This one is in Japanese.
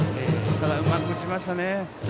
ただ、うまく打ちましたね。